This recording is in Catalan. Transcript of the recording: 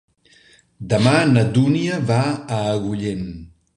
Demà na Dúnia va a Agullent.